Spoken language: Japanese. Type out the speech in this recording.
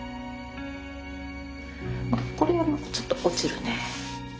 まあこれあのちょっと落ちるね。